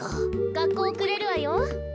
がっこうおくれるわよ。